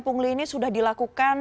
pengelolaan ini sudah dilakukan